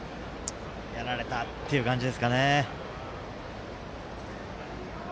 やられた！っていう感じですかね。